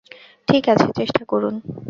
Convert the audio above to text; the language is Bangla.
ঠিক আছে, চেষ্টা করুন।